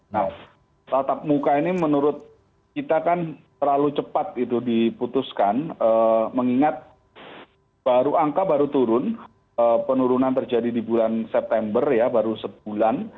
nah tatap muka ini menurut kita kan terlalu cepat itu diputuskan mengingat angka baru turun penurunan terjadi di bulan september ya baru sebulan